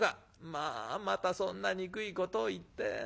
『まあまたそんな憎いことを言って。